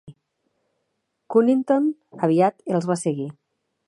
Cunnington aviat els va seguir.